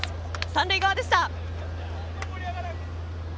三塁側でした。